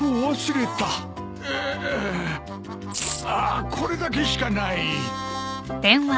ああこれだけしかない。